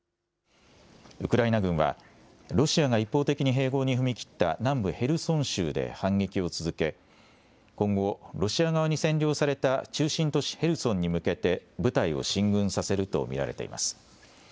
ウクライナ軍は、ロシアが一方的に併合に踏み切った南部ヘルソン州で反撃を続け、今後、ロシア側に占領された中心都市ヘルソンに向けて部隊を進軍させると見られています。